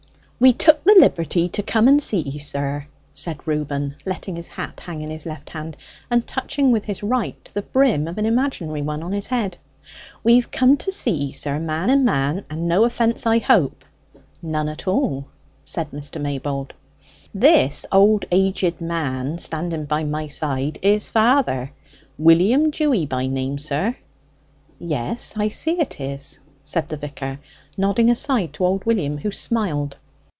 "We took the liberty to come and see 'ee, sir," said Reuben, letting his hat hang in his left hand, and touching with his right the brim of an imaginary one on his head. "We've come to see 'ee, sir, man and man, and no offence, I hope?" "None at all," said Mr. Maybold. "This old aged man standing by my side is father; William Dewy by name, sir." "Yes; I see it is," said the vicar, nodding aside to old William, who smiled.